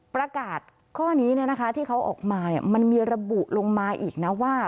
ประกาศข้อนี้ที่เขาออกมามันมีระบุลงมาอีกนะว่า